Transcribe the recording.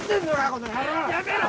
この野郎っやめろ！